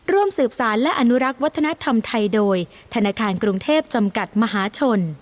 ร่วมสืบสารและอนุรักษ์วัฒนธรรมไทยโดยธนาคารกรุงเทพจำกัดมหาชน